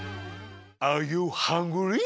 アーユーハングリー？